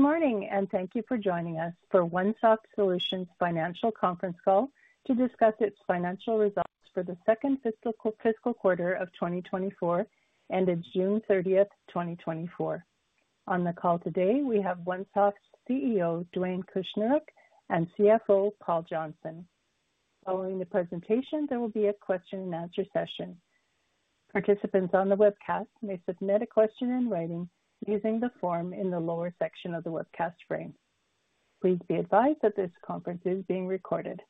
Good morning, and thank you for joining us for OneSoft Solutions financial conference call to discuss its financial results for the second fiscal quarter of twenty twenty-four ended June thirtieth, twenty twenty-four. On the call today, we have OneSoft's CEO, Duane Kushneruk, and CFO, Paul Johnston. Following the presentation, there will be a question and answer session. Participants on the webcast may submit a question in writing using the form in the lower section of the webcast frame. Please be advised that this conference is being recorded.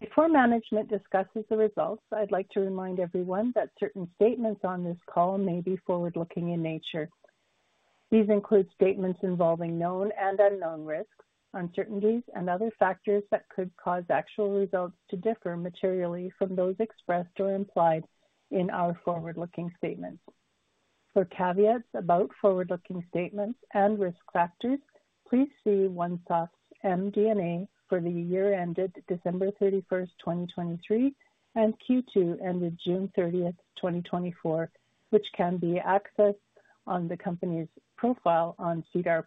Before management discusses the results, I'd like to remind everyone that certain statements on this call may be forward-looking in nature. These include statements involving known and unknown risks, uncertainties, and other factors that could cause actual results to differ materially from those expressed or implied in our forward-looking statements. For caveats about forward-looking statements and risk factors, please see OneSoft's MD&A for the year ended December thirty-first, twenty twenty-three, and Q2 ended June thirtieth, twenty twenty-four, which can be accessed on the company's profile on SEDAR+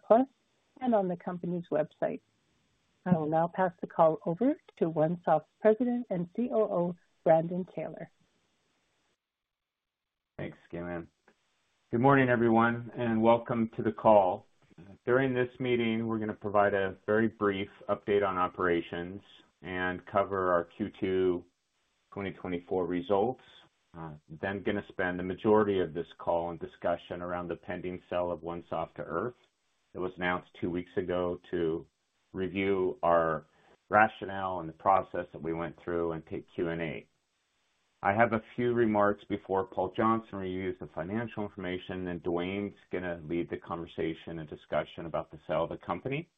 and on the company's website. I will now pass the call over to OneSoft's President and COO, Brandon Taylor. Thanks Gaylene. Good morning, everyone, and welcome to the call. During this meeting, we're gonna provide a very brief update on operations and cover our Q2 2024 results, then gonna spend the majority of this call and discussion around the pending sale of OneSoft to Irth. It was announced two weeks ago to review our rationale and the process that we went through and take Q&A. I have a few remarks before Paul Johnston reviews the financial information, then Duane's gonna lead the conversation and discussion about the sale of the company.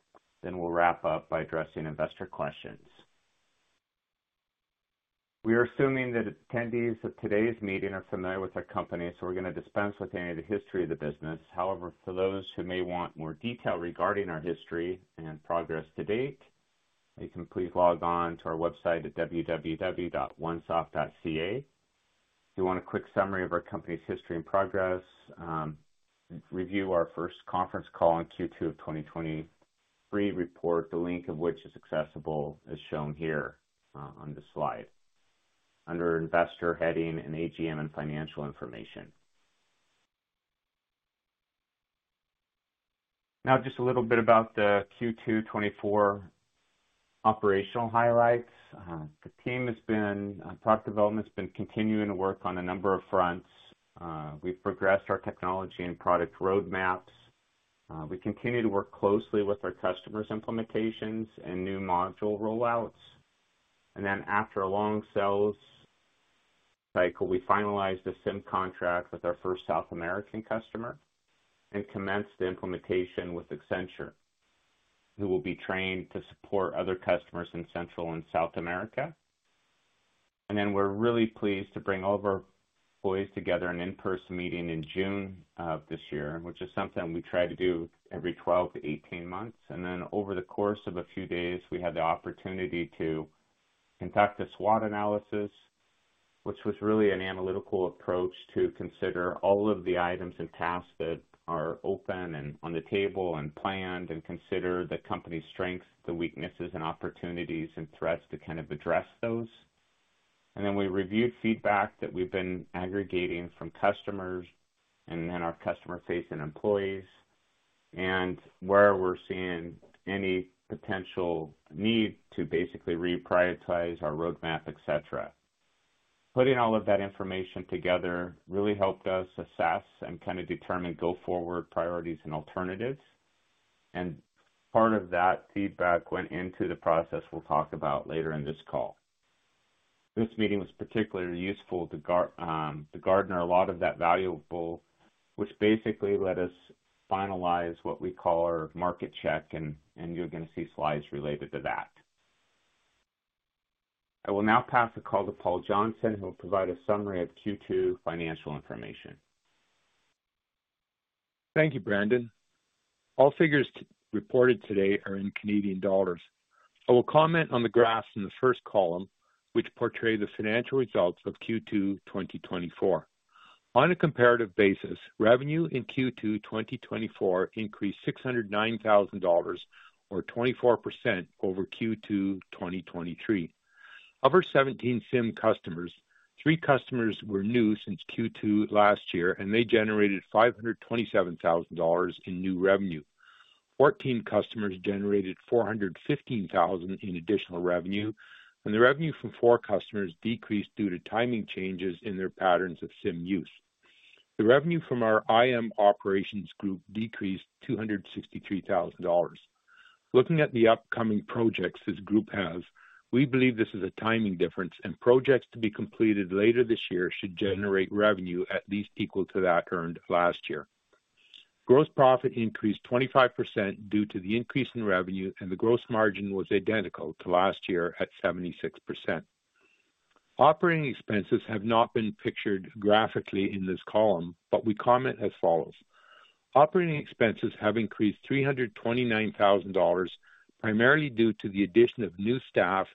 Then we'll wrap up by addressing investor questions. We are assuming that attendees of today's meeting are familiar with our company, so we're gonna dispense with any of the history of the business. However, for those who may want more detail regarding our history and progress to date, you can please log on to our website at www.onesoft.ca. If you want a quick summary of our company's history and progress, review our first conference call on Q2 of 2023 report, the link of which is accessible as shown here on the slide under Investors heading and AGM and Financial Information. Now, just a little bit about the Q2 2024 operational highlights. The team has been, product development has been continuing to work on a number of fronts. We've progressed our technology and product roadmaps. We continue to work closely with our customers' implementations and new module rollouts. And then after a long sales cycle, we finalized a CIM contract with our first South American customer and commenced implementation with Accenture, who will be trained to support other customers in Central and South America. And then we're really pleased to bring all of our employees together in an in-person meeting in June of this year, which is something we try to do every 12 to 18 months. And then over the course of a few days, we had the opportunity to conduct a SWOT analysis, which was really an analytical approach to consider all of the items and tasks that are open and on the table and planned, and consider the company's strengths, the weaknesses and opportunities and threats to kind of address those. And then we reviewed feedback that we've been aggregating from customers and then our customer-facing employees and where we're seeing any potential need to basically reprioritize our roadmap, et cetera. Putting all of that information together really helped us assess and kinda determine go-forward priorities and alternatives, and part of that feedback went into the process we'll talk about later in this call. This meeting was particularly useful to garner a lot of that valuable, which basically let us finalize what we call our market check, and you're gonna see slides related to that. I will now pass the call to Paul Johnston, who will provide a summary of Q2 financial information. Thank you, Brandon. All figures reported today are in Canadian dollars. I will comment on the graphs in the first column, which portray the financial results of Q2 2024. On a comparative basis, revenue in Q2 2024 increased CAD 609,000 or 24% over Q2 2023. Of our 17 CIM customers, three customers were new since Q2 last year, and they generated 527,000 dollars in new revenue. Fourteen customers generated 415,000 in additional revenue, and the revenue from four customers decreased due to timing changes in their patterns of CIM use. The revenue from our IM operations group decreased 263,000 dollars. Looking at the upcoming projects this group has, we believe this is a timing difference, and projects to be completed later this year should generate revenue at least equal to that earned last year. Gross profit increased 25% due to the increase in revenue, and the gross margin was identical to last year at 76%. Operating expenses have not been pictured graphically in this column, but we comment as follows: Operating expenses have increased 329,000 dollars, primarily due to the addition of new staff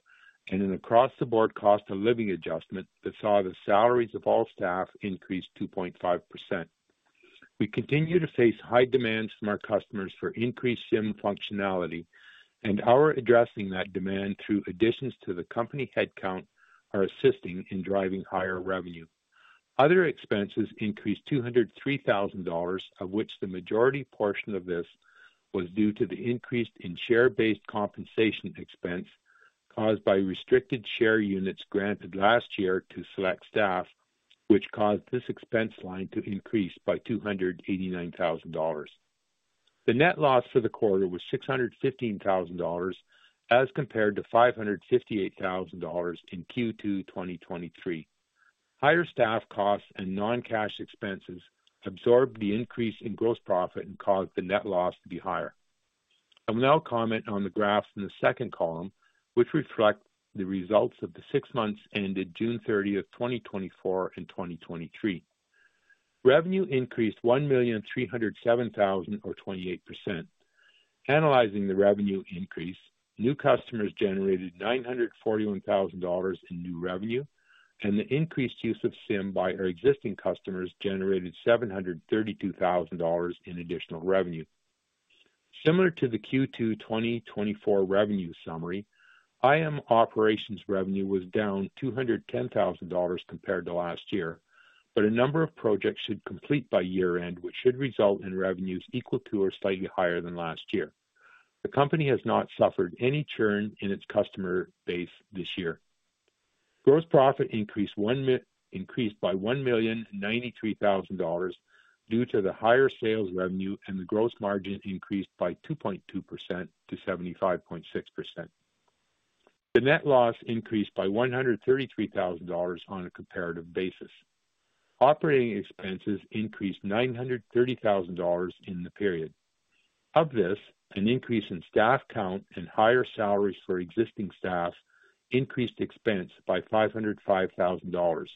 and an across-the-board cost of living adjustment that saw the salaries of all staff increase 2.5%.... We continue to face high demand from our customers for increased CIM functionality, and our addressing that demand through additions to the company headcount are assisting in driving higher revenue. Other expenses increased 203,000 dollars, of which the majority portion of this was due to the increase in share-based compensation expense caused by restricted share units granted last year to select staff, which caused this expense line to increase by 289,000 dollars. The net loss for the quarter was 615,000 dollars, as compared to 558,000 dollars in Q2 2023. Higher staff costs and non-cash expenses absorbed the increase in gross profit and caused the net loss to be higher. I will now comment on the graphs in the second column, which reflect the results of the six months ended June 30, 2024 and 2023. Revenue increased 1,307,000 or 28%. Analyzing the revenue increase, new customers generated 941,000 dollars in new revenue, and the increased use of CIM by our existing customers generated 732,000 dollars in additional revenue. Similar to the Q2 2024 revenue summary, IM operations revenue was down 210,000 dollars compared to last year, but a number of projects should complete by year-end, which should result in revenues equal to or slightly higher than last year. The company has not suffered any churn in its customer base this year. Gross profit increased by 1,093,000 dollars due to the higher sales revenue, and the gross margin increased by 2.2% to 75.6%. The net loss increased by 133,000 dollars on a comparative basis. Operating expenses increased 930,000 dollars in the period. Of this, an increase in staff count and higher salaries for existing staff increased expense by 505,000 dollars.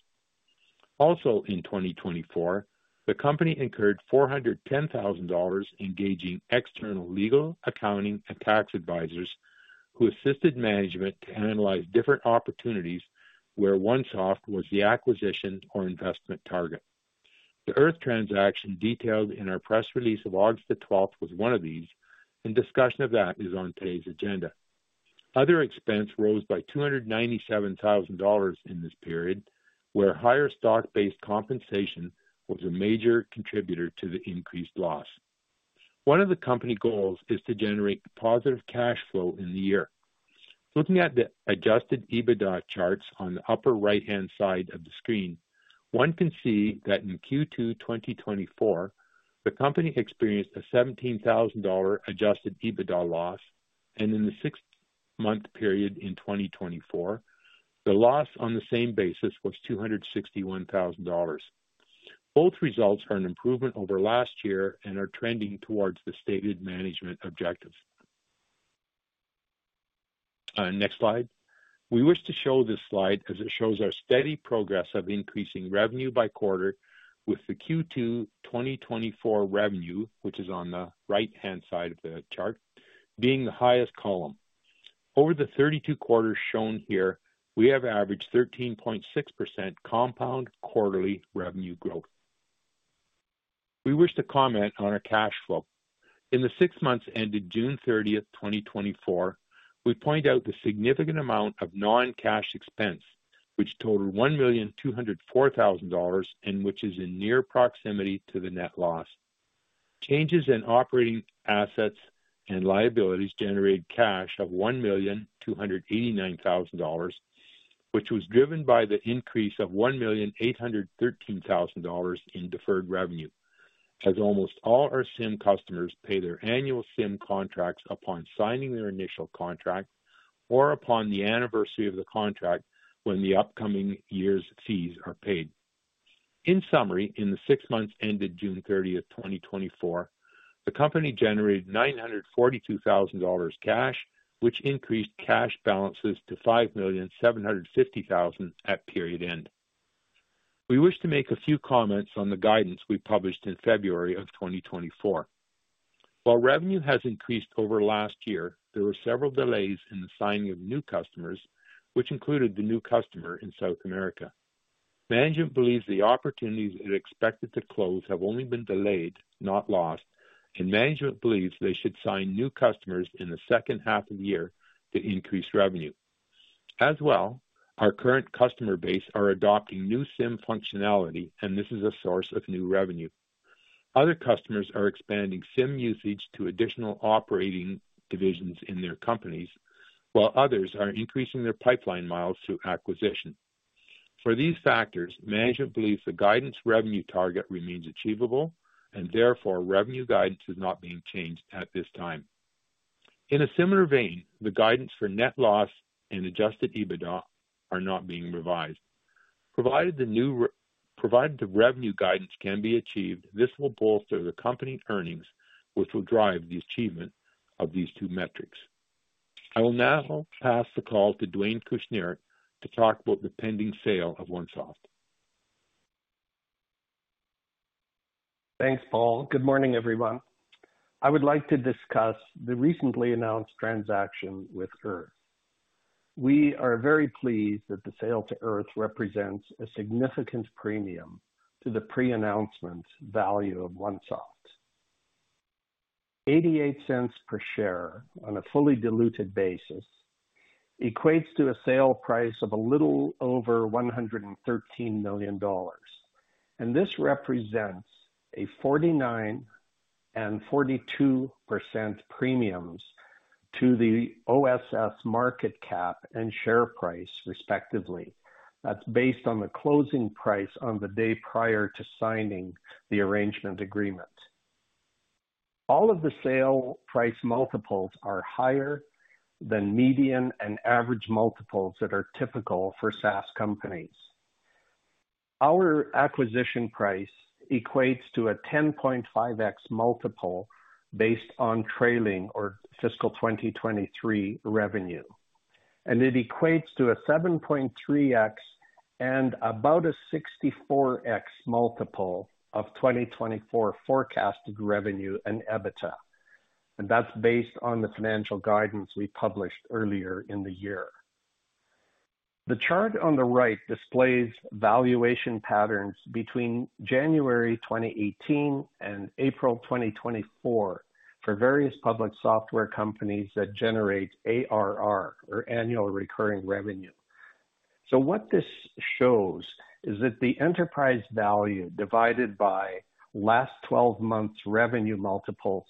Also, in 2024, the company incurred 410,000 dollars engaging external legal, accounting, and tax advisors who assisted management to analyze different opportunities where OneSoft was the acquisition or investment target. The Irth transaction, detailed in our press release of August the twelfth, was one of these, and discussion of that is on today's agenda. Other expense rose by 297,000 dollars in this period, where higher stock-based compensation was a major contributor to the increased loss. One of the company goals is to generate positive cash flow in the year. Looking at the adjusted EBITDA charts on the upper right-hand side of the screen, one can see that in Q2 2024, the company experienced a 17,000 dollar adjusted EBITDA loss, and in the six-month period in 2024, the loss on the same basis was 261,000 dollars. Both results are an improvement over last year and are trending towards the stated management objectives. Next slide. We wish to show this slide because it shows our steady progress of increasing revenue by quarter with the Q2 2024 revenue, which is on the right-hand side of the chart, being the highest column. Over the 32 quarters shown here, we have averaged 13.6% compound quarterly revenue growth. We wish to comment on our cash flow. In the six months ended June thirtieth, twenty twenty-four, we point out the significant amount of non-cash expense, which totaled 1,204,000 dollars, and which is in near proximity to the net loss. Changes in operating assets and liabilities generated cash of 1,289,000 dollars, which was driven by the increase of 1,813,000 dollars in deferred revenue, as almost all our CIM customers pay their annual CIM contracts upon signing their initial contract or upon the anniversary of the contract when the upcoming year's fees are paid. In summary, in the six months ended June thirtieth, twenty twenty-four, the company generated 942,000 dollars cash, which increased cash balances to 5,750,000 at period end. We wish to make a few comments on the guidance we published in February of twenty twenty-four. While revenue has increased over last year, there were several delays in the signing of new customers, which included the new customer in South America. Management believes the opportunities it expected to close have only been delayed, not lost, and management believes they should sign new customers in the second half of the year to increase revenue. As well, our current customer base are adopting new CIM functionality, and this is a source of new revenue. Other customers are expanding CIM usage to additional operating divisions in their companies, while others are increasing their pipeline miles through acquisition. For these factors, management believes the guidance revenue target remains achievable, and therefore, revenue guidance is not being changed at this time. In a Similar vein, the guidance for net loss and Adjusted EBITDA are not being revised. Provided the revenue guidance can be achieved, this will bolster the company's earnings, which will drive the achievement of these two metrics. I will now pass the call to Duane Kushneruk to talk about the pending sale of OneSoft. Thanks, Paul. Good morning, everyone. I would like to discuss the recently announced transaction with Irth Solutions. We are very pleased that the sale to Irth Solutions represents a significant premium to the pre-announcement value of OneSoft. 0.88 per share on a fully diluted basis equates to a sale price of a little over 113 million dollars, and this represents a 49% and 42% premiums to the OSS market cap and share price, respectively. That's based on the closing price on the day prior to signing the arrangement agreement. All of the sale price multiples are higher than median and average multiples that are typical for SaaS companies. Our acquisition price equates to a 10.5x multiple based on trailing or fiscal 2023 revenue, and it equates to a 7.3x and about a 64x multiple of 2024 forecasted revenue and EBITDA, and that's based on the financial guidance we published earlier in the year. The chart on the right displays valuation patterns between January 2018 and April 2024 for various public software companies that generate ARR or annual recurring revenue. What this shows is that the Enterprise Value divided by last twelve months revenue multiples,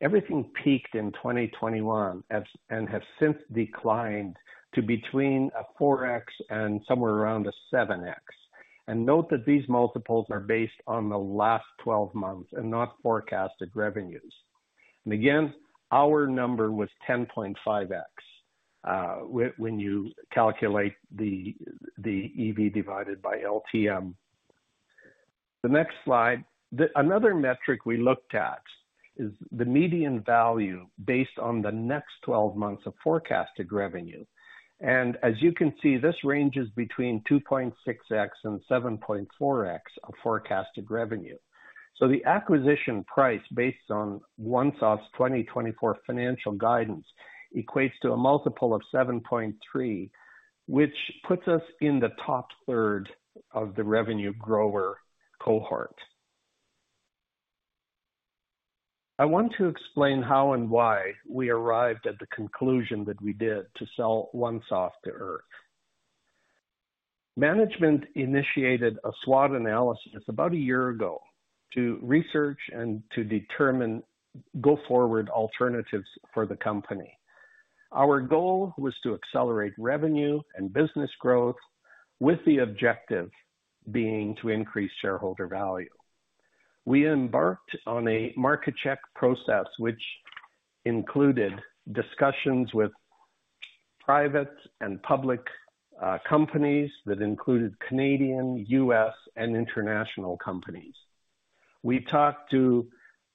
everything peaked in 2021, and has since declined to between a 4x and somewhere around a 7x. Note that these multiples are based on the last twelve months and not forecasted revenues. Again, our number was ten point five x, when you calculate the EV divided by LTM. The next slide. Another metric we looked at is the median value based on the next twelve months of forecasted revenue, and as you can see, this ranges between two point six x and seven point four x of forecasted revenue. So the acquisition price, based on OneSoft's twenty twenty-four financial guidance, equates to a multiple of seven point three, which puts us in the top third of the revenue grower cohort. I want to explain how and why we arrived at the conclusion that we did to sell OneSoft to Irth. Management initiated a SWOT analysis about a year ago to research and to determine go-forward alternatives for the company. Our goal was to accelerate revenue and business growth, with the objective being to increase shareholder value. We embarked on a market check process, which included discussions with private and public companies that included Canadian, US, and international companies. We talked to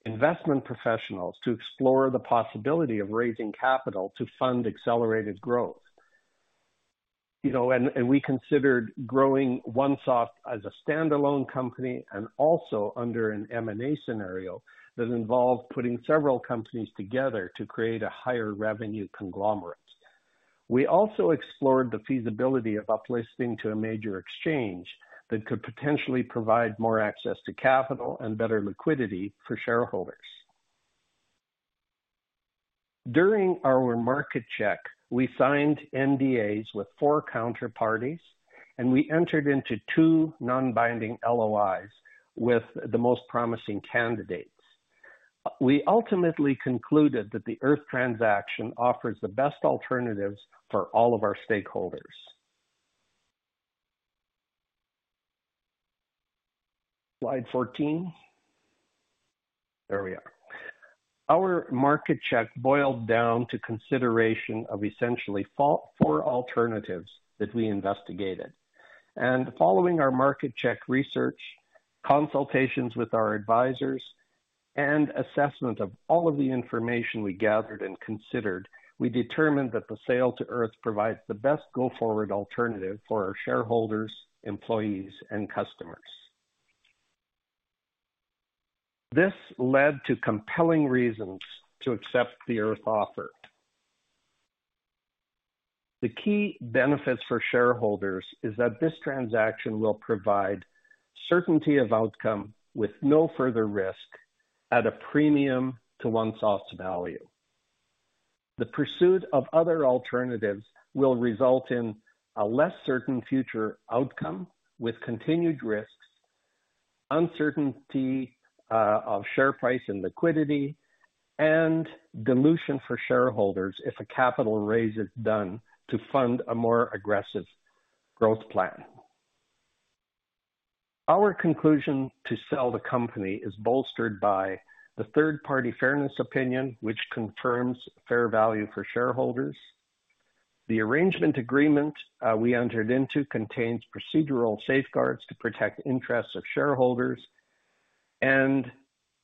investment professionals to explore the possibility of raising capital to fund accelerated growth. You know, and, and we considered growing OneSoft as a standalone company and also under an M&A scenario that involved putting several companies together to create a higher revenue conglomerate. We also explored the feasibility of uplisting to a major exchange that could potentially provide more access to capital and better liquidity for shareholders. During our market check, we signed NDAs with four counterparties, and we entered into two non-binding LOIs with the most promising candidates. We ultimately concluded that the Irth transaction offers the best alternatives for all of our stakeholders. Slide fourteen. There we are. Our market check boiled down to consideration of essentially four alternatives that we investigated, and following our market check research, consultations with our advisors, and assessment of all of the information we gathered and considered, we determined that the sale to Irth provides the best go-forward alternative for our shareholders, employees, and customers. This led to compelling reasons to accept the Irth offer. The key benefits for shareholders is that this transaction will provide certainty of outcome with no further risk at a premium to OneSoft's value. The pursuit of other alternatives will result in a less certain future outcome with continued risks, uncertainty of share price and liquidity, and dilution for shareholders if a capital raise is done to fund a more aggressive growth plan. Our conclusion to sell the company is bolstered by the third-party fairness opinion, which confirms fair value for shareholders. The arrangement agreement we entered into contains procedural safeguards to protect the interests of shareholders, and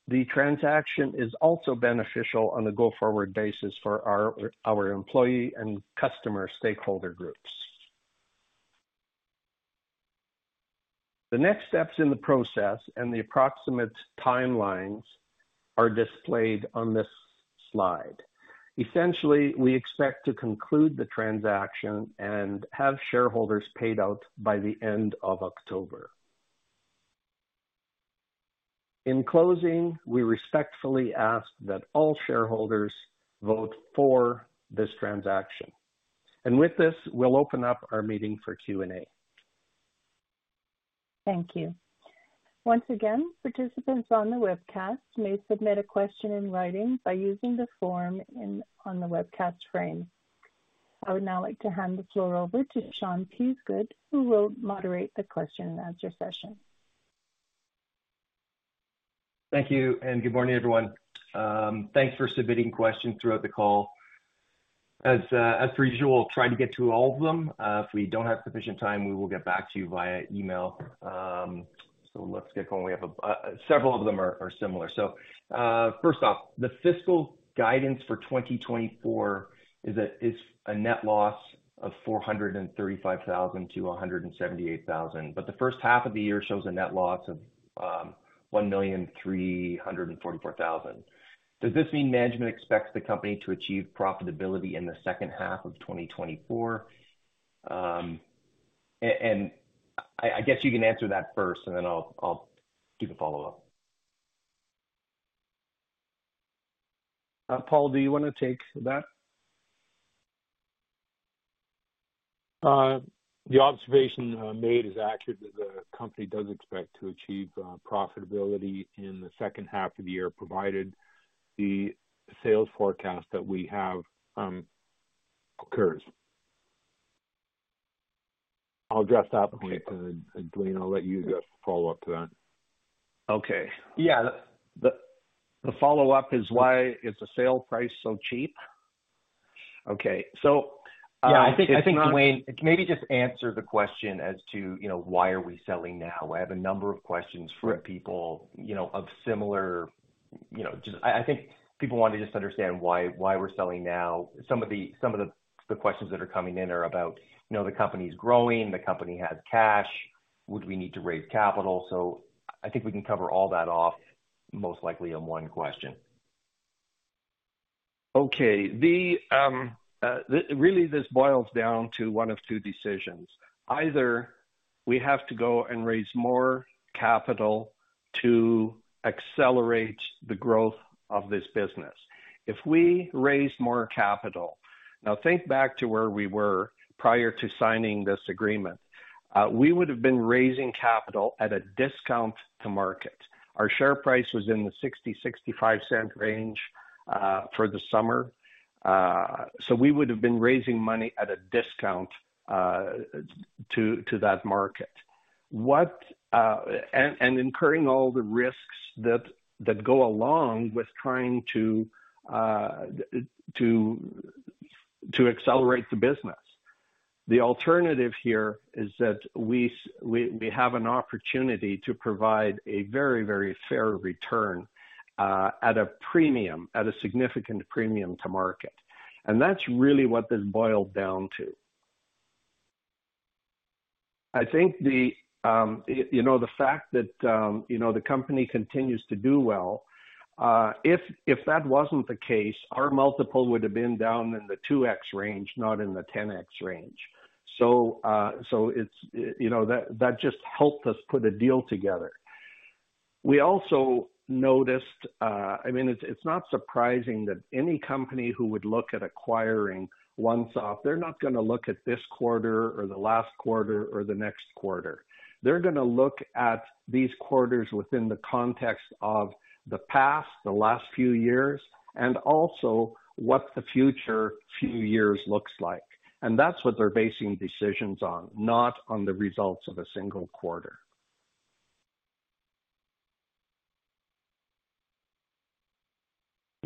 the transaction is also beneficial on a go-forward basis for our employee and customer stakeholder groups. The next steps in the process and the approximate timelines are displayed on this slide. Essentially, we expect to conclude the transaction and have shareholders paid out by the end of October. In closing, we respectfully ask that all shareholders vote for this transaction, and with this, we'll open up our meeting for Q&A. Thank you. Once again, participants on the webcast may submit a question in writing by using the form in, on the webcast frame. I would now like to hand the floor over to Sean Peasgood, who will moderate the question and answer session. Thank you, and good morning, everyone. Thanks for submitting questions throughout the call. As per usual, try to get to all of them. If we don't have sufficient time, we will get back to you via email. So let's get going. We have several of them are Similar. So first off, the fiscal guidance for 2024 is it's a net loss of 435,000-178,000, but the first half of the year shows a net loss of 1,344,000. Does this mean management expects the company to achieve profitability in the second half of 2024? And I guess you can answer that first, and then I'll do the follow-up. Paul, do you wanna take that? The observation made is accurate, that the company does expect to achieve profitability in the second half of the year, provided the sales forecast that we have occurs. I'll address that point, and Duane, I'll let you do a follow-up to that. Okay. Yeah. The follow-up is why is the sale price so cheap? Okay. So, Yeah, I think, Duane, maybe just answer the question as to, you know, why are we selling now? I have a number of questions from people, you know, of Similar... You know, just I think people want to just understand why, why we're selling now. Some of the questions that are coming in are about, you know, the company's growing, the company has cash, would we need to raise capital? So I think we can cover all that off, most likely in one question. Okay. This really boils down to one of two decisions. Either we have to go and raise more capital to accelerate the growth of this business. If we raise more capital, now think back to where we were prior to signing this agreement, we would have been raising capital at a discount to market. Our share price was in the $0.60-$0.65 range for the summer. We would have been raising money at a discount to that market. What... and incurring all the risks that go along with trying to accelerate the business. The alternative here is that we have an opportunity to provide a very, very fair return at a premium, at a significant premium to market. That is really what this boils down to. I think the fact that you know the company continues to do well, if that wasn't the case, our multiple would have been down in the two x range, not in the 10x range. So, so it's you know that just helped us put a deal together. We also noticed, I mean, it's not surprising that any company who would look at acquiring OneSoft, they're not gonna look at this quarter or the last quarter or the next quarter. They're gonna look at these quarters within the context of the past, the last few years, and also what the future few years looks like. And that's what they're basing decisions on, not on the results of a single quarter.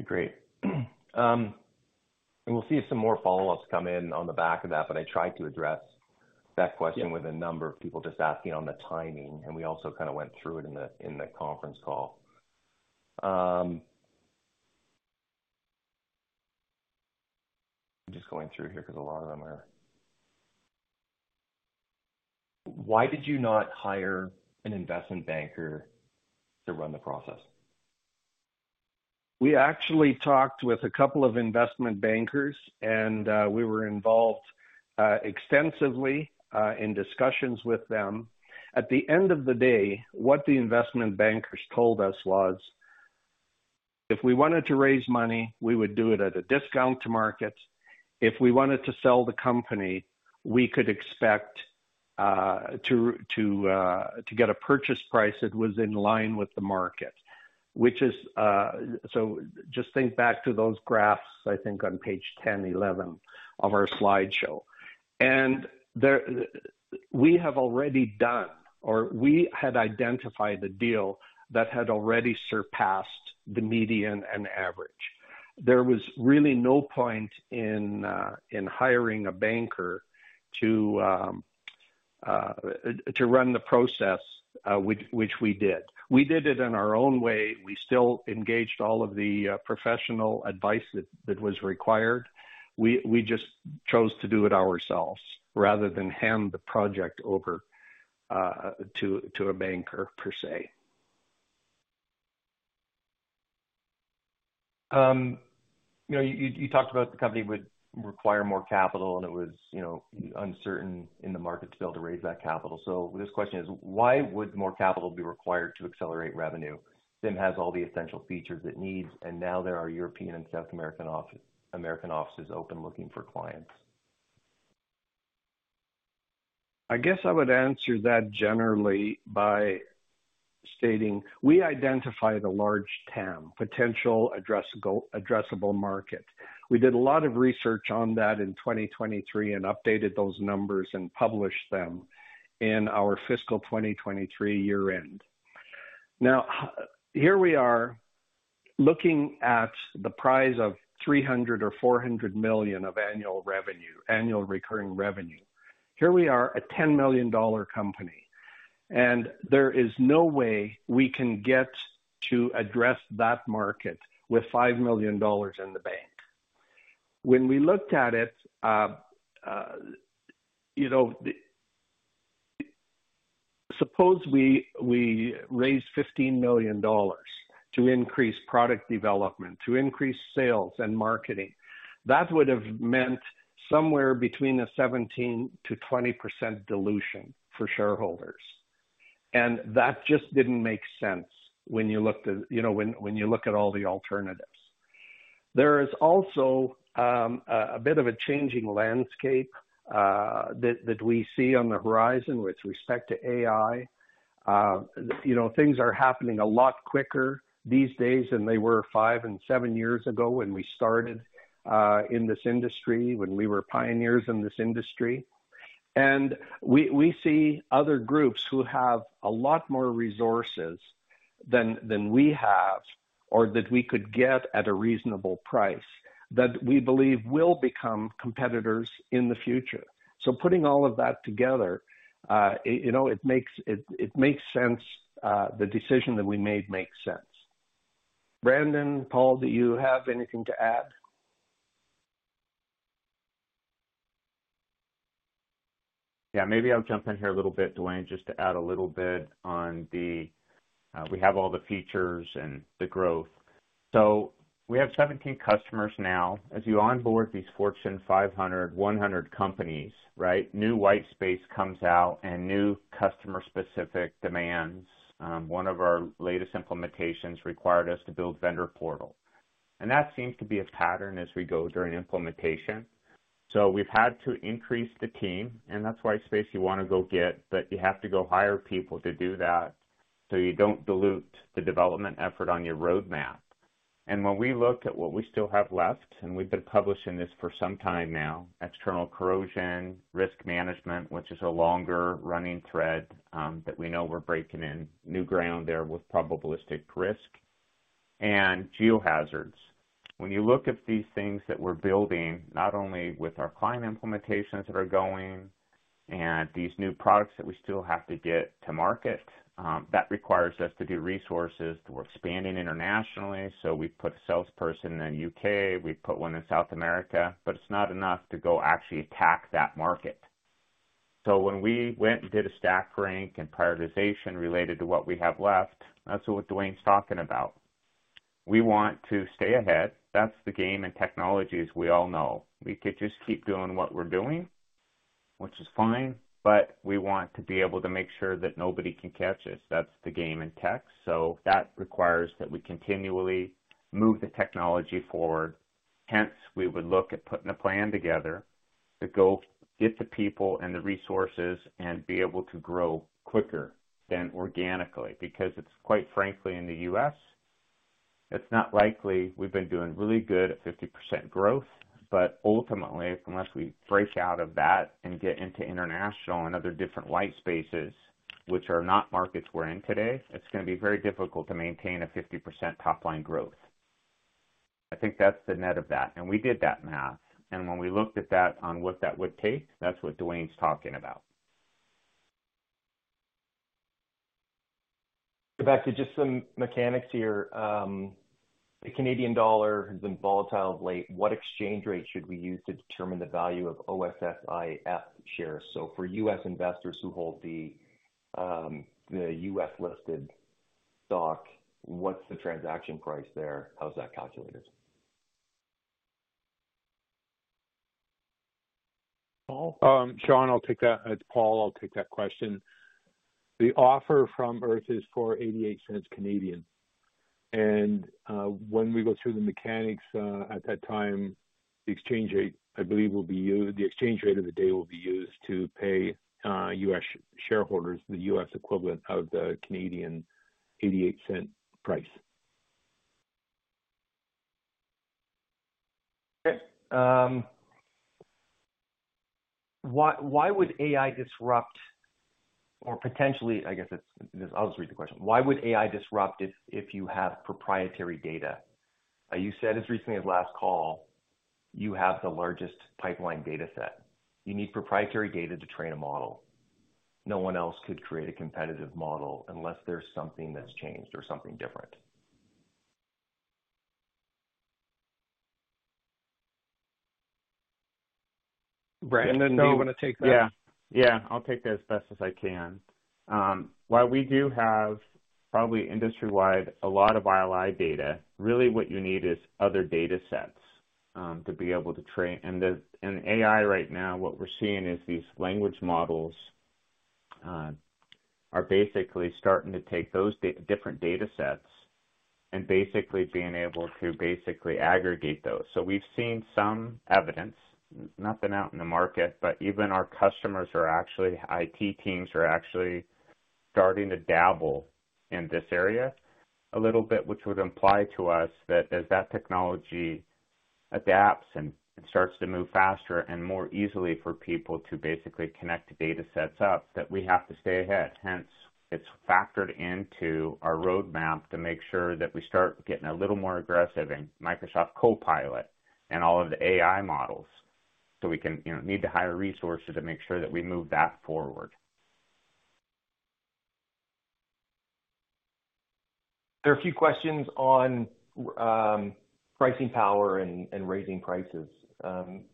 Great, and we'll see if some more follow-ups come in on the back of that, but I tried to address that question with a number of people just asking on the timing, and we also kind of went through it in the conference call. I'm just going through here because a lot of them are... Why did you not hire an investment banker to run the process? We actually talked with a couple of investment bankers, and we were involved extensively in discussions with them. At the end of the day, what the investment bankers told us was, if we wanted to raise money, we would do it at a discount to market. If we wanted to sell the company, we could expect to get a purchase price that was in line with the market, which is, so just think back to those graphs, I think, on page 10, 11 of our slideshow. And there, we have already done, or we had identified a deal that had already surpassed the median and average. There was really no point in hiring a banker to run the process, which we did. We did it in our own way. We still engaged all of the professional advice that was required. We just chose to do it ourselves, rather than hand the project over to a banker per se. You know, you talked about the company would require more capital, and it was, you know, uncertain in the market to be able to raise that capital. This question is, why would more capital be required to accelerate revenue? CIM has all the essential features it needs, and now there are European and South American offices open looking for clients. I guess I would answer that generally by stating we identified a large TAM, potential addressable market. We did a lot of research on that in 2023 and updated those numbers and published them in our fiscal 2023 year end. Now, here we are looking at the size of 300 million or 400 million of annual revenue, annual recurring revenue. Here we are, a 10 million dollar company, and there is no way we can get to address that market with 5 million dollars in the bank. When we looked at it, you know, suppose we raised 15 million dollars to increase product development, to increase sales and marketing, that would have meant somewhere between 17%-20% dilution for shareholders. And that just didn't make sense when you looked at, you know, when you look at all the alternatives. There is also a bit of a changing landscape that we see on the horizon with respect to AI. You know, things are happening a lot quicker these days than they were five and seven years ago when we started in this industry, when we were pioneers in this industry. And we see other groups who have a lot more resources than we have or that we could get at a reasonable price, that we believe will become competitors in the future. So putting all of that together, you know, it makes sense, the decision that we made makes sense. Brandon, Paul, do you have anything to add? Yeah, maybe I'll jump in here a little bit, Duane, just to add a little bit on the, we have all the features and the growth. So we have 17 customers now. As you onboard these Fortune 500, 100 companies, right, new white space comes out and new customer-specific demands. One of our latest implementations required us to build Vendor Portal, and that seems to be a pattern as we go during implementation. So we've had to increase the team, and that's why space you want to go get, but you have to go hire people to do that, so you don't dilute the development effort on your roadmap. When we look at what we still have left, and we've been publishing this for some time now, external corrosion, risk management, which is a longer running thread, that we know we're breaking in new ground there with probabilistic risk and geohazards. When you look at these things that we're building, not only with our client implementations that are going and these new products that we still have to get to market, that requires us to do resources. We're expanding internationally, so we put a salesperson in U.K., we put one in South America, but it's not enough to go actually attack that market. When we went and did a stack rank and prioritization related to what we have left, that's what Duane's talking about. We want to stay ahead. That's the game in technologies, as we all know. We could just keep doing what we're doing, which is fine, but we want to be able to make sure that nobody can catch us. That's the game in tech, so that requires that we continually move the technology forward. Hence, we would look at putting a plan together to go get the people and the resources and be able to grow quicker than organically, because it's quite frankly, in the U.S., it's not likely we've been doing really good at 50% growth, but ultimately, unless we break out of that and get into international and other different white spaces, which are not markets we're in today, it's gonna be very difficult to maintain a 50% top line growth. I think that's the net of that, and we did that math, and when we looked at that on what that would take, that's what Duane's talking about. Back to just some mechanics here. The Canadian dollar has been volatile of late. What exchange rate should we use to determine the value of OSSIF shares? So for U.S. investors who hold the U.S.-listed stock, what's the transaction price there? How's that calculated? Paul? Sean, I'll take that. It's Paul. I'll take that question. The offer from Irth is for 0.88, and when we go through the mechanics, at that time, the exchange rate, I believe, will be used, the exchange rate of the day will be used to pay U.S. shareholders, the U.S. equivalent of the Canadian 0.88 price. Okay, why would AI disrupt or potentially I guess it's... I'll just read the question. Why would AI disrupt if you have proprietary data? You said as recently as last call, you have the largest pipeline data set. You need proprietary data to train a model. No one else could create a competitive model unless there's something that's changed or something different. Brandon, do you want to take that? Yeah. Yeah, I'll take that as best as I can. While we do have probably industry-wide, a lot of ILI data, really what you need is other data sets to be able to train. And in AI right now, what we're seeing is these language models are basically starting to take those different data sets and basically being able to basically aggregate those. So we've seen some evidence, nothing out in the market, but even our customers are actually, IT teams are actually starting to dabble in this area a little bit, which would imply to us that as that technology adapts and starts to move faster and more easily for people to basically connect data sets up, that we have to stay ahead. Hence, it's factored into our roadmap to make sure that we start getting a little more aggressive in Microsoft Copilot and all of the AI models, so we can, you know, need to hire resources to make sure that we move that forward. There are a few questions on pricing power and raising prices.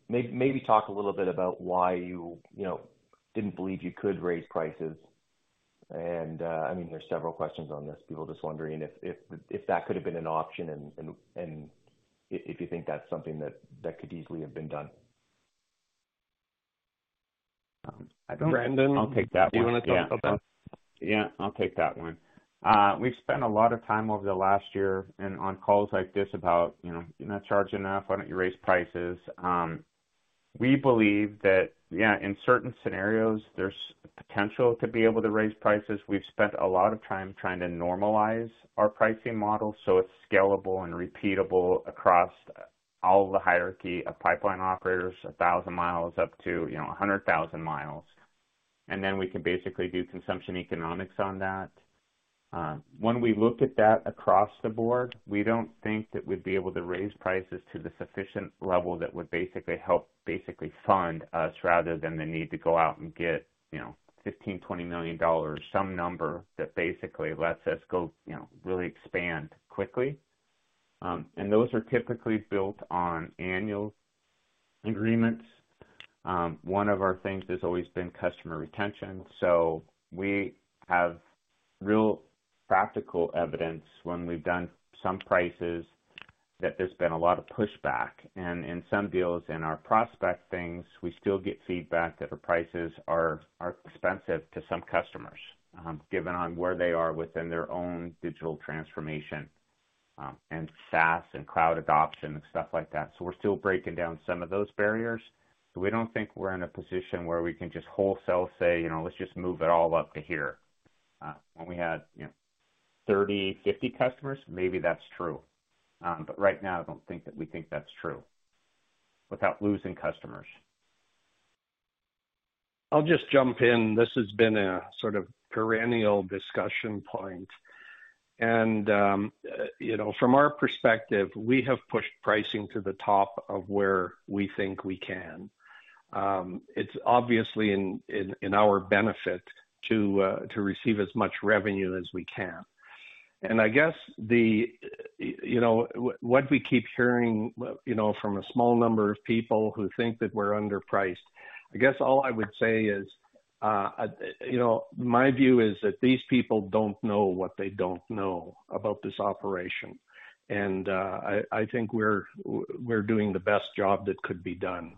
Maybe talk a little bit about why you, you know, didn't believe you could raise prices, and I mean, there's several questions on this. People just wondering if that could have been an option and if you think that's something that could easily have been done. I think- Brandon- I'll take that one. Do you wanna talk about that? Yeah, I'll take that one. We've spent a lot of time over the last year and on calls like this about, you know, you're not charging enough. Why don't you raise prices? We believe that, yeah, in certain scenarios, there's potential to be able to raise prices. We've spent a lot of time trying to normalize our pricing model, so it's scalable and repeatable across all the hierarchy of pipeline operators, a thousand miles up to, you know, a hundred thousand miles. And then we can basically do consumption economics on that. When we looked at that across the board, we don't think that we'd be able to raise prices to the sufficient level that would basically help fund us rather than the need to go out and get, you know, $15-$20 million, some number that basically lets us go, you know, really expand quickly. And those are typically built on annual agreements. One of our things has always been customer retention, so we have real practical evidence when we've done some prices, that there's been a lot of pushback, and in some deals, in our prospect things, we still get feedback that our prices are expensive to some customers, given on where they are within their own digital transformation, and SaaS and cloud adoption and stuff like that. So we're still breaking down some of those barriers. So we don't think we're in a position where we can just wholesale say, "You know, let's just move it all up to here." When we had, you know, 30, 50 customers, maybe that's true. But right now, I don't think that we think that's true, without losing customers. I'll just jump in. This has been a sort of perennial discussion point, and, you know, from our perspective, we have pushed pricing to the top of where we think we can. It's obviously in our benefit to receive as much revenue as we can. And I guess the, you know, what we keep hearing, you know, from a small number of people who think that we're underpriced, I guess all I would say is, you know, my view is that these people don't know what they don't know about this operation. And, I think we're doing the best job that could be done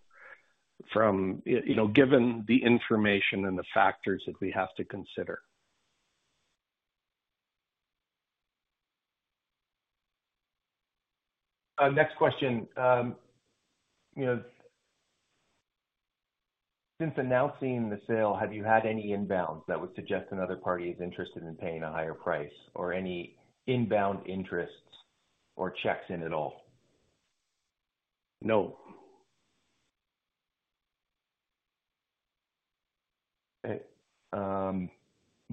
from... You know, given the information and the factors that we have to consider. Next question. You know, since announcing the sale, have you had any inbounds that would suggest another party is interested in paying a higher price or any inbound interests or checks in at all? No.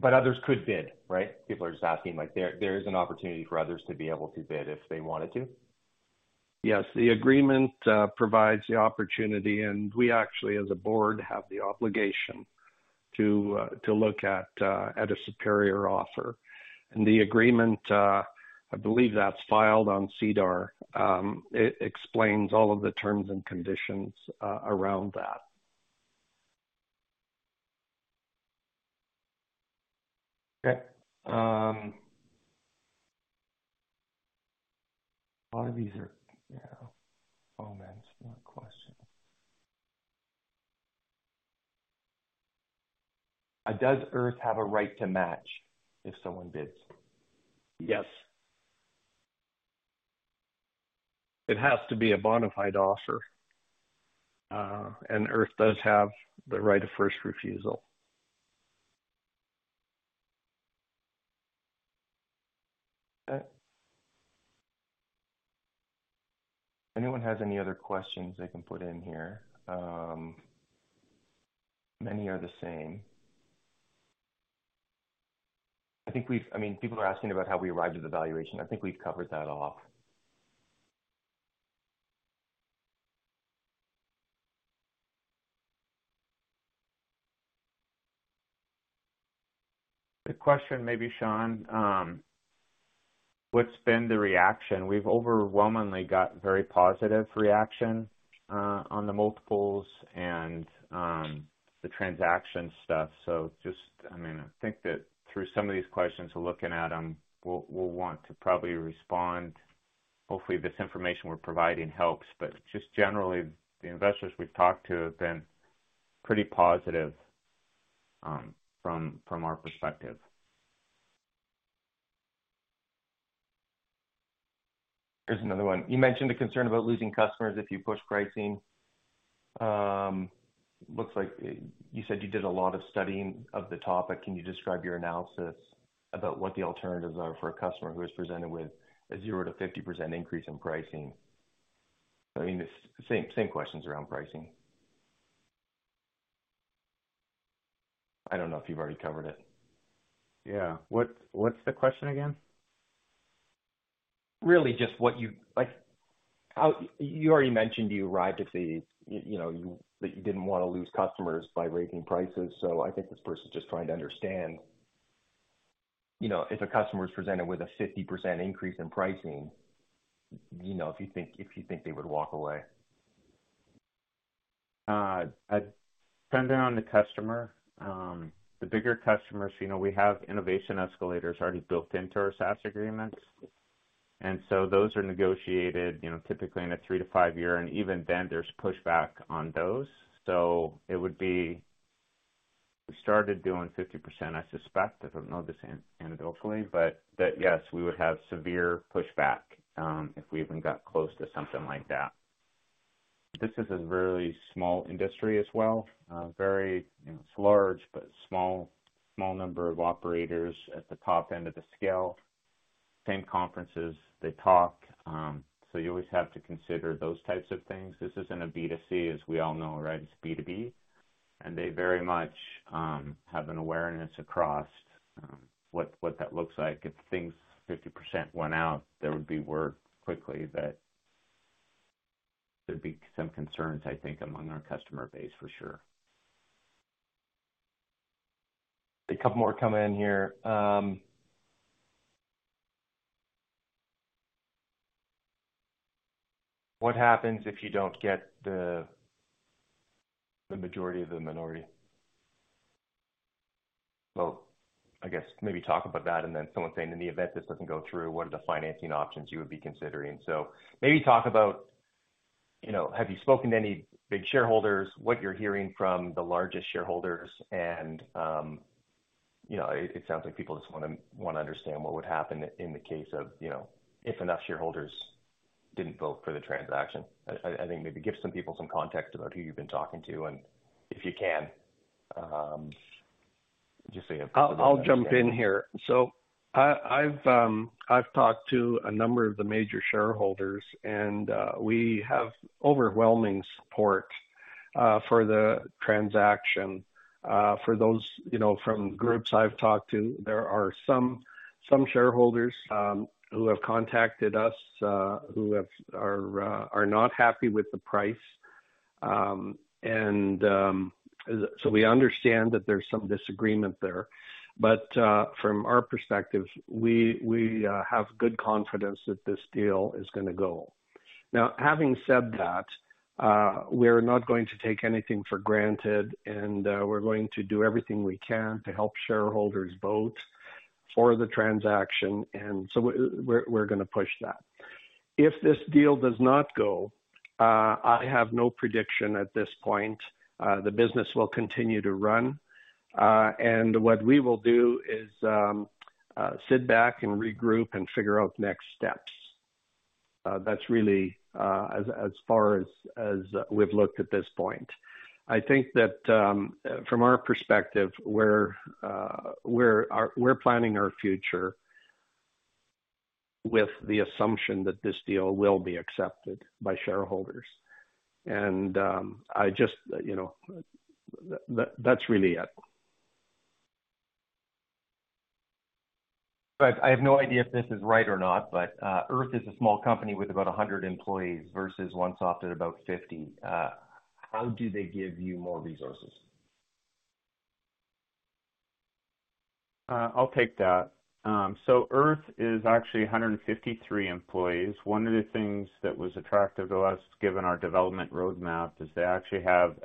But others could bid, right? People are just asking, like, there is an opportunity for others to be able to bid if they wanted to? Yes. The agreement provides the opportunity, and we actually, as a board, have the obligation to look at a superior offer. And the agreement, I believe that's filed on SEDAR. It explains all of the terms and conditions around that. Okay. A lot of these are, you know, comments, not questions. Does Irth have a right to match if someone bids? Yes. It has to be a bona fide offer, and Irth does have the right of first refusal. Okay. Anyone has any other questions they can put in here? Many are the same. I think we've. I mean, people are asking about how we arrived at the valuation. I think we've covered that off.... Good question, maybe Sean, what's been the reaction? We've overwhelmingly got very positive reaction on the multiples and the transaction stuff. So just, I mean, I think that through some of these questions, we're looking at them, we'll want to probably respond. Hopefully, this information we're providing helps, but just generally, the investors we've talked to have been pretty positive from our perspective. Here's another one: You mentioned a concern about losing customers if you push pricing. Looks like you said you did a lot of studying of the topic. Can you describe your analysis about what the alternatives are for a customer who is presented with a 0%-50% increase in pricing? I mean, the same questions around pricing. I don't know if you've already covered it. Yeah. What, what's the question again? Really, just what you... You already mentioned you arrived at the, you know, that you didn't want to lose customers by raising prices. So I think this person is just trying to understand, you know, if a customer is presented with a 50% increase in pricing, you know, if you think they would walk away. Depending on the customer, the bigger customers, you know, we have innovation escalators already built into our SaaS agreements, and so those are negotiated, you know, typically in a three- to five-year, and even then, there's pushback on those. So it would be... We started doing 50%, I suspect, I don't know this anecdotally, but that, yes, we would have severe pushback, if we even got close to something like that. This is a very small industry as well. Very, you know, it's large, but small number of operators at the top end of the scale. Same conferences, they talk, so you always have to consider those types of things. This isn't a B2C, as we all know, right? It's B2B, and they very much, have an awareness across, what that looks like. If things 50% went out, there would be word quickly that there'd be some concerns, I think, among our customer base, for sure. A couple more come in here. What happens if you don't get the majority of the minority, well, I guess maybe talk about that, and then someone saying, in the event this doesn't go through, what are the financing options you would be considering, so maybe talk about, you know, have you spoken to any big shareholders, what you're hearing from the largest shareholders and, you know, it sounds like people just wanna understand what would happen in the case of, you know, if enough shareholders didn't vote for the transaction. I think maybe give some people some context about who you've been talking to and if you can, just so you- I'll jump in here. So I've talked to a number of the major shareholders, and we have overwhelming support for the transaction. For those, you know, from groups I've talked to, there are some shareholders who have contacted us, who have... are not happy with the price. And so we understand that there's some disagreement there. But from our perspective, we have good confidence that this deal is gonna go. Now, having said that, we're not going to take anything for granted, and we're going to do everything we can to help shareholders vote for the transaction, and so we're gonna push that. If this deal does not go, I have no prediction at this point. The business will continue to run, and what we will do is sit back and regroup and figure out next steps. That's really as far as we've looked at this point. I think that from our perspective, we're planning our future with the assumption that this deal will be accepted by shareholders, and I just, you know, that's really it. I have no idea if this is right or not, but Irth is a small company with about 100 employees versus OneSoft at about 50. How do they give you more resources? I'll take that. Irth is actually one hundred and fifty-three employees. One of the things that was attractive to us, given our development roadmap, is they actually have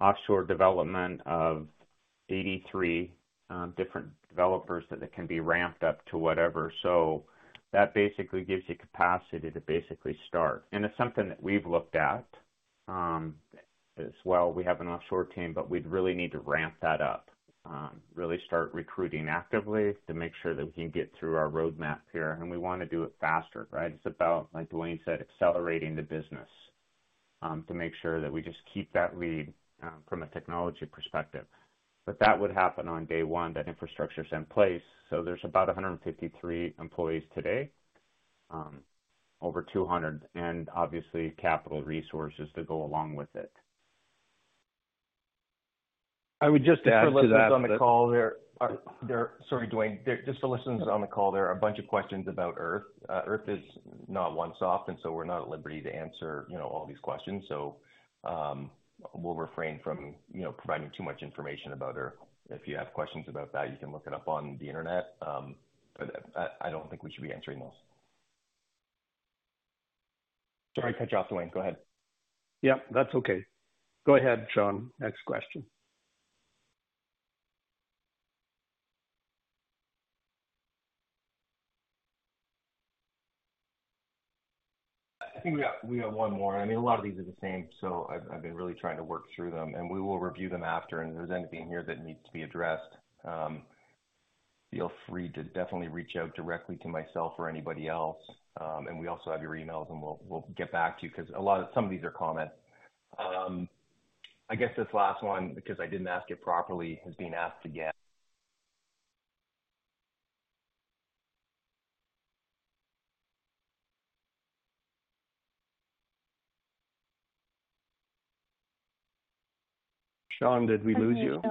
offshore development of eighty-three different developers that can be ramped up to whatever. That basically gives you capacity to basically start. It's something that we've looked at, as well. We have an offshore team, but we'd really need to ramp that up, really start recruiting actively to make sure that we can get through our roadmap here, and we want to do it faster, right? It's about, like Duane said, accelerating the business, to make sure that we just keep that lead, from a technology perspective. But that would happen on day one. That infrastructure is in place. So there's about 153 employees today, over 200, and obviously capital resources to go along with it. I would just add to that- Sorry, Duane. Just the listeners on the call, there are a bunch of questions about Irth. Irth is not OneSoft, and so we're not at liberty to answer, you know, all these questions. So, we'll refrain from, you know, providing too much information about her. If you have questions about that, you can look it up on the Internet. But I don't think we should be answering those. Sorry to cut you off, Duane. Go ahead. Yeah, that's okay. Go ahead, Sean. Next question. I think we got, we got one more. I mean, a lot of these are the same, so I've been really trying to work through them, and we will review them after. If there's anything in here that needs to be addressed, feel free to definitely reach out directly to myself or anybody else, and we also have your emails, and we'll get back to you because a lot of... Some of these are comments. I guess this last one, because I didn't ask it properly, is being asked again. Sean, did we lose you?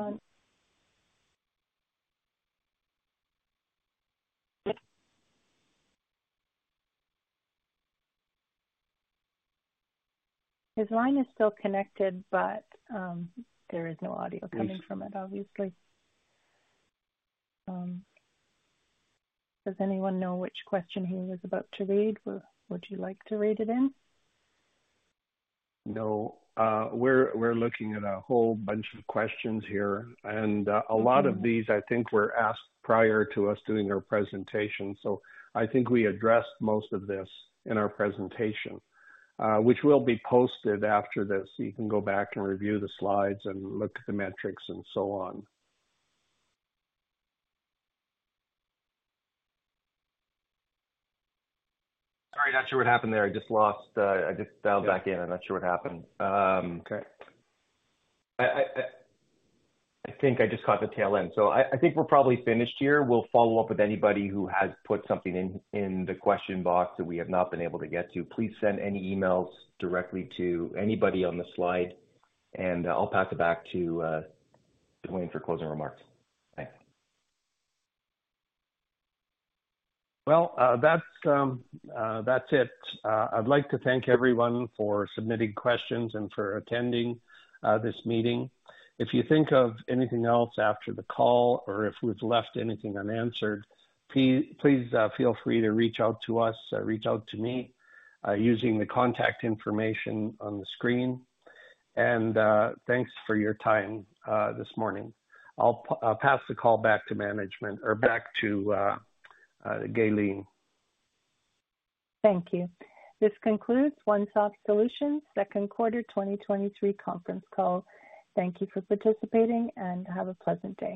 His line is still connected, but, there is no audio coming from it, obviously. Does anyone know which question he was about to read, or would you like to read it in? No, we're looking at a whole bunch of questions here, and a lot of these I think were asked prior to us doing our presentation. So I think we addressed most of this in our presentation, which will be posted after this. You can go back and review the slides and look at the metrics and so on. Sorry, not sure what happened there. I just lost, I just dialed back in. I'm not sure what happened. Okay. I think I just caught the tail end, so I think we're probably finished here. We'll follow up with anybody who has put something in the question box that we have not been able to get to. Please send any emails directly to anybody on the slide, and I'll pass it back to Duane for closing remarks. Bye. Well, that's it. I'd like to thank everyone for submitting questions and for attending this meeting. If you think of anything else after the call or if we've left anything unanswered, please feel free to reach out to us, reach out to me using the contact information on the screen. And, thanks for your time this morning. I'll pass the call back to management or back to Gaylene. Thank you. This concludes OneSoft Solutions second quarter twenty twenty-three conference call. Thank you for participating, and have a pleasant day.